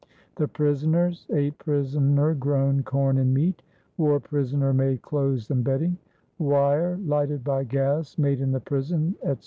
The prisoners ate prisoner grown corn and meat, wore prisoner made clothes and bedding, wire lighted by gas made in the prison, etc.